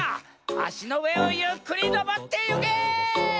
あしのうえをゆっくりのぼってゆけ！